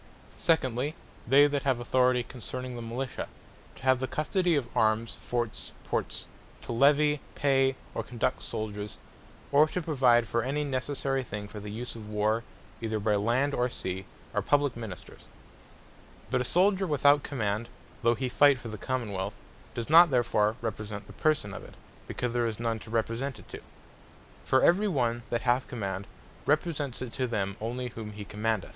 Secondly, they that have Authority concerning the Militia; to have the custody of Armes, Forts, Ports; to Levy, Pay, or Conduct Souldiers; or to provide for any necessary thing for the use of war, either by Land or Sea, are publique Ministers. But a Souldier without Command, though he fight for the Common wealth, does not therefore represent the Person of it; because there is none to represent it to. For every one that hath command, represents it to them only whom he commandeth.